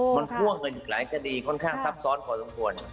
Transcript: มันพ่วงกันอีกหลายคดีค่อนข้างซับซ้อนพอสมควร